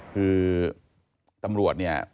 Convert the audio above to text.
คือตำรวจเนี่ย